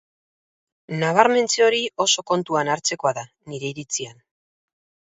Nabarmentze hori oso kontuan hartzekoa da, nire iritzian.